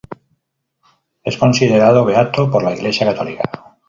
Es considerado beato por la Iglesia católica.